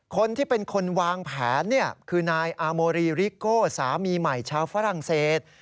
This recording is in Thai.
คนที่เป็นคนวางแผนคือนายอาโมรีริโก้สามีใหม่ชาวฝรั่งเศส